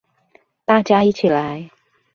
大家一起來